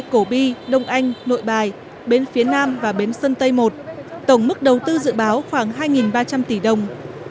cổ bi đông anh nội bài bến phía nam và bến sân tây một tổng mức đầu tư dự báo khoảng hai ba trăm linh tỷ đồng